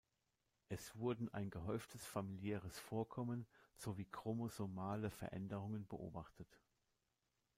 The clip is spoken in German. Es wurden ein gehäuftes familiäres Vorkommen sowie chromosomale Veränderungen beobachtet.